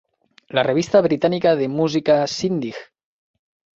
La revista britànica de música Shindig!